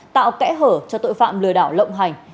tạo kẽ hở cho tội phạm lừa đảo lộng hành